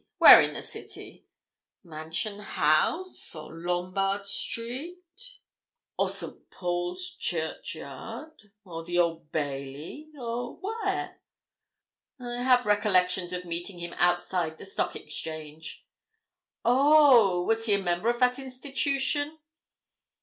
Where in the City? Mansion House, or Lombard Street, or St. Paul's Churchyard, or the Old Bailey, or where?" "I have recollections of meeting him outside the Stock Exchange." "Oh! Was he a member of that institution?"